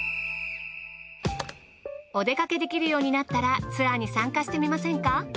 お出かけできるようになったらツアーに参加してみませんか？